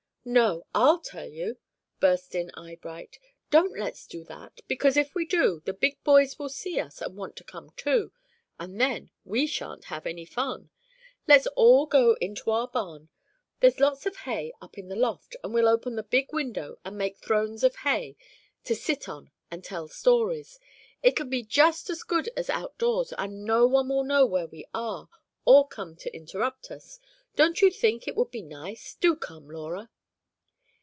"No; I'll tell you," burst in Eyebright. "Don't let's do that, because if we do, the big boys will see us and want to come too, and then we sha'n't have any fun. Let's all go into our barn; there's lots of hay up in the loft, and we'll open the big window and make thrones of hay to sit on and tell stories. It'll be just as good as out doors, and no one will know where we are or come to interrupt us. Don't you think it would be nice? Do come, Laura."